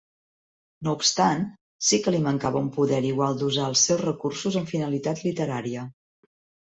No obstant, sí que li mancava un poder igual d'usar els seus recursos amb finalitat literària.